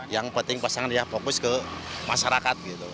yang penting pasangan ya fokus ke masyarakat gitu